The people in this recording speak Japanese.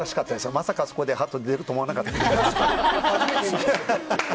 まさかあそこでハート出ると思わなかった。